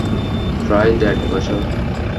প্রায় দেড় বছর।